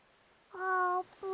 あーぷん！